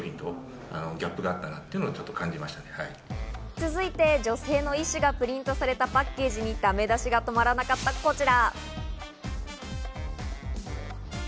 続いて、女性の医師がプリントされたパッケージにダメ出しが止まらなかったこちら。